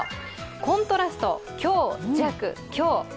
コントラスト強・弱・強。